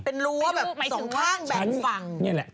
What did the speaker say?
เป็นรู้ว่าแบบสองข้างแบ่งฝั่ง